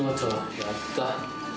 やった。